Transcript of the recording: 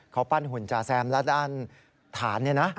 เขาปั้นหุ่นจาแซมและด้านฐานเนี่ยนะ